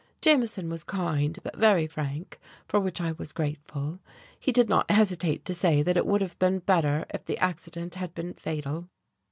"Jameson was kind, but very frank, for which I was grateful. He did not hesitate to say that it would have been better if the accident had been fatal.